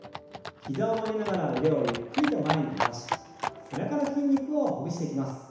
膝を曲げながら腕をゆっくりと前に伸ばし背中の筋肉をほぐしていきます。